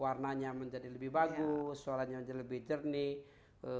warnanya menjadi lebih bagus suaranya menjadi lebih jernih